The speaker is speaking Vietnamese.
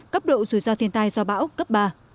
cấp độ rủi ro thiên tai do bão cấp ba